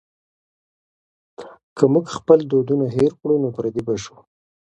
که موږ خپل دودونه هېر کړو نو پردي به شو.